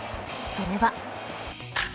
それは。